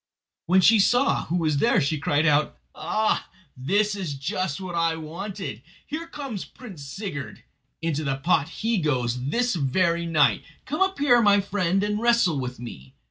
When she saw who was there she cried out: "Ah, this is just what I wanted! Here comes Prince Sigurd. Into the pot he goes this very night. Come up here, my friend, and wrestle with me."